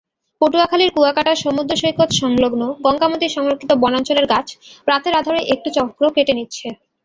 পটুয়াখালীর কুয়াকাটা সমুদ্রসৈকত-সংলগ্ন গঙ্গামতি সংরক্ষিত বনাঞ্চলের গাছ রাতের আঁধারে একটি চক্র কেটে নিচ্ছে।